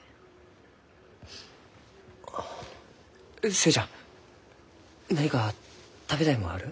寿恵ちゃん何か食べたいもんある？